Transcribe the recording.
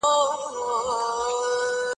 بل ډول د افرادو او طائفو قصې دي.